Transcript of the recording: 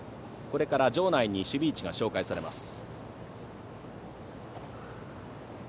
これから守備位置が紹介されます。